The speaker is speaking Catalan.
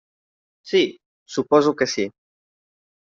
Sí, suposo que sí.